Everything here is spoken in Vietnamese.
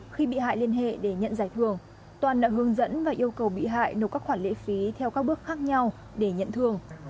khi bị hại liên hệ để nhận giải thưởng toàn đã hướng dẫn và yêu cầu bị hại nộp các khoản lễ phí theo các bước khác nhau để nhận thường